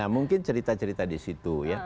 mungkin cerita cerita di situ ya